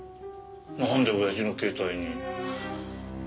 なんで親父の携帯に？